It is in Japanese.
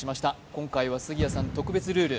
今回は杉谷さん特別ルール。